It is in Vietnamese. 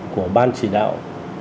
của ban chỉ đạo